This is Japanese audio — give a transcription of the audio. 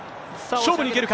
勝負にいけるか。